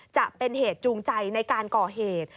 จะเป็นเหตุจูงใจในการก่อเหตุ